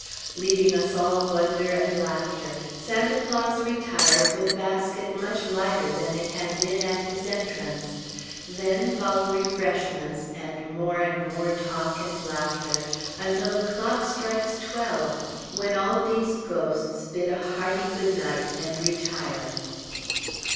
Leaving us all wonder and laughter, Santa Claus retires with a basket much lighter than it had been at his entrance.... Then follow refreshments, and more and more talk and laughter, until the clock strikes twelve, when all these ghosts bid a hearty good night and retire.